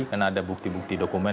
karena ada bukti bukti dokumen